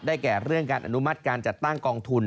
แก่เรื่องการอนุมัติการจัดตั้งกองทุน